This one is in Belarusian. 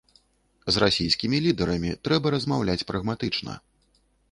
З расійскімі лідарамі трэба размаўляць прагматычна.